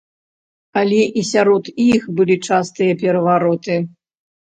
Але і сярод іх былі частыя перавароты.